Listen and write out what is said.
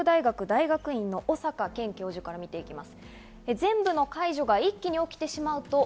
東北大学大学院の小坂健教授から見ていきます。